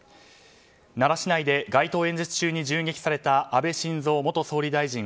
奈良市内で街頭演説中に銃撃された安倍晋三元総理大臣。